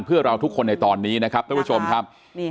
เพื่อเราทุกคนในตอนนี้นะครับท่านผู้ชมครับ